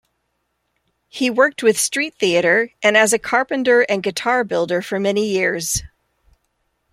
He worked with street theatre, and as a carpenter and guitar-builder for many years.